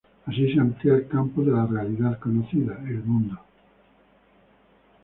Así se amplía el campo de la realidad conocida, el mundo.